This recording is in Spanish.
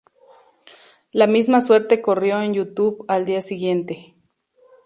La misma suerte corrió en YouTube al día siguiente.